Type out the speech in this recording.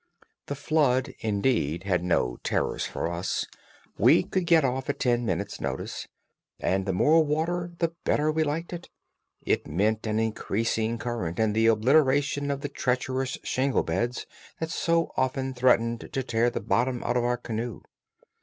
The flood, indeed, had no terrors for us; we could get off at ten minutes' notice, and the more water the better we liked it. It meant an increasing current and the obliteration of the treacherous shingle beds that so often threatened to tear the bottom out of our canoe.